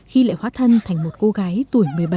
khi lại hóa thân thành một cô gái tuổi một mươi bảy